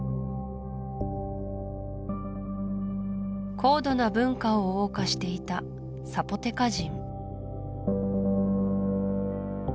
高度な文化を謳歌していたサポテカ人